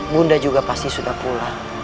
bunda juga pasti sudah pulang